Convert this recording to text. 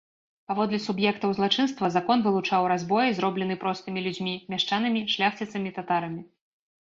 Паводле суб'ектаў злачынства закон вылучаў разбоі, зроблены простымі людзьмі, мяшчанамі, шляхціцамі, татарамі.